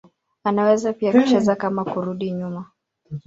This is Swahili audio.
Anaweza pia kucheza kama kurudi nyuma.